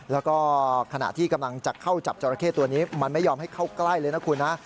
แล้วก็ขณะที่กำลังจะเข้าจับจราเข้ตัวนี้มันไม่ยอมให้เข้าใกล้เลยนะคุณนะ